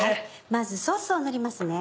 まずソースを塗りますね。